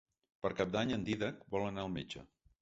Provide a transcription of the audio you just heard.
Per Cap d'Any en Dídac vol anar al metge.